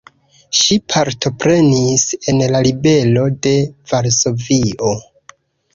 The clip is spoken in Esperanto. Ŝi partoprenis en la ribelo de Varsovio.